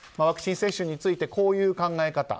ワクチン接種についてこういう考え方。